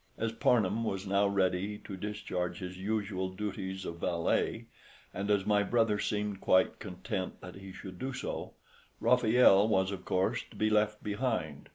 As Parnham was now ready to discharge his usual duties of valet, and as my brother seemed quite content that he should do so, Raffaelle was of course to be left behind.